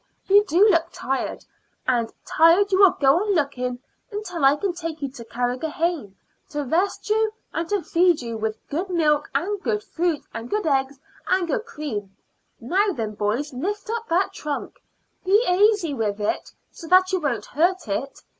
You do look tired, and tired you will go on looking until I take you to Carrigrohane to rest you and to feed you with good milk and good fruit and good eggs and good cream. Now then, boys, lift up that trunk. Be aisy with it, so that you won't hurt it.